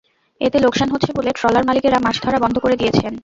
এতে লোকসান হচ্ছে বলে ট্রলার মালিকেরা মাছ ধরা বন্ধ করে দিয়েছেন।